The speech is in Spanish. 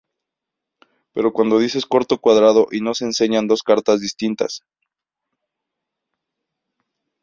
Pero cuando dices corto cuadrado y no es se enseñan dos cartas distintas.